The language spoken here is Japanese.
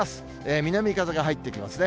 南風が入ってきますね。